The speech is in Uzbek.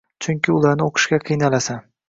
Chunki ularni o‘qishga qiynalasan.